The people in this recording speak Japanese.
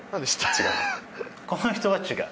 この人は違う？